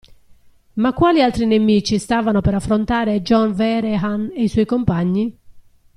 Ma quali altri nemici stavano per affrontare John Vehrehan e i suoi compagni?